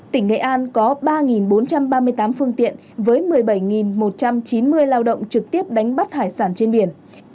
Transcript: tỉnh nghệ an có ba bốn trăm ba mươi tám phương tiện với một mươi bảy một trăm chín mươi lao động trực tiếp đánh bắt hải sản trên biển